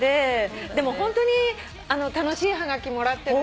でもホントに楽しいはがきもらってるね。